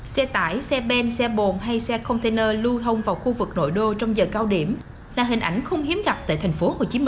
xe tải xe ben xe bồn hay xe container lưu thông vào khu vực nội đô trong giờ cao điểm là hình ảnh không hiếm gặp tại tp hcm